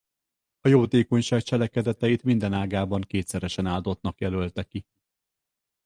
A jótékonyság cselekedeteit minden ágában kétszeresen áldottnak jelölte ki.